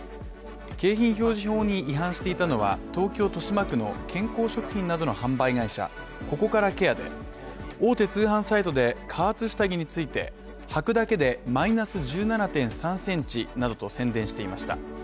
景品表示法に違反していたのは、東京・豊島区の健康食品などの販売会社ココカラケアで、大手通販サイトで、加圧下着について、履くだけでマイナス１７．３センチなどと宣伝していました。